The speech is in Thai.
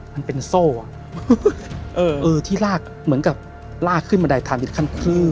มันเป็นโซ่ที่ลากเหมือนกับลากขึ้นบันไดทางอีกขั้นขึ้น